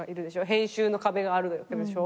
編集の壁があるでしょ。